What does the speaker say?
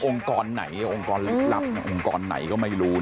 กรไหนองค์กรลึกลับองค์กรไหนก็ไม่รู้